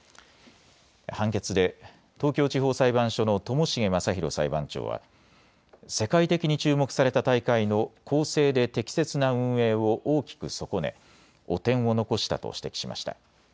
判決で東京地方裁判所の友重雅裕裁判長は世界的に注目された大会の公正で適切な運営を大きく損ね汚点を残したと指摘しました。